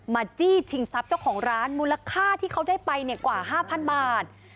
มาจี้ชิงทรัพย์เจ้าของร้านมูลค่าที่เขาได้ไปเนี่ยกว่าห้าพันบาท